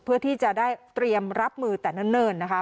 เพื่อที่จะได้เตรียมรับมือแต่เนิ่นนะคะ